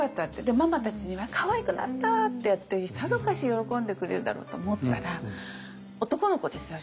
ママたちには「かわいくなった」ってやってさぞかし喜んでくれるだろうと思ったら男の子ですよ